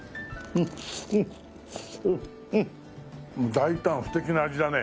大胆不敵な味だね。